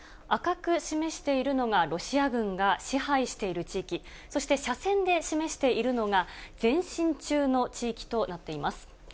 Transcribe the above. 赤く示しているのが、ロシア軍が支配している地域、そして、斜線で示しているのが、前進中の地域となっています。